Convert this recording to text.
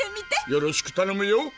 よろしくたのむよ。